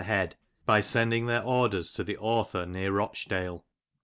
a head, by sending their Orders to the Author, near Rochdale."